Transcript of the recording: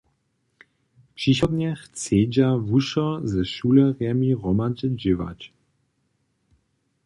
Přichodnje chcedźa wušo ze šulemi hromadźe dźěłać.